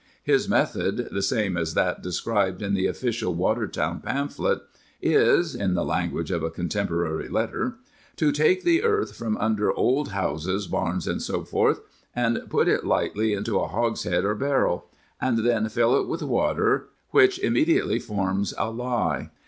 His method, the same as that described in the official Water town pamphlet, is (in the language of a contem porary letter) " to take the earth from under old houses, Barns, &c., & put it lightly into a hogs head or Barrel ;& then fill it with water, w"'*' immediately forms a lie.